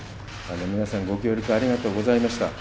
皆さん、ご協力ありがとうございました。